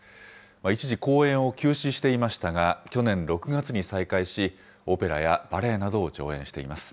一時、公演を休止していましたが、去年６月に再開し、オペラやバレエなどを上演しています。